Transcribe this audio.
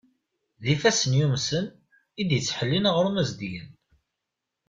D ifassen yumsen, i d-yettḥellin aɣrum azedyan.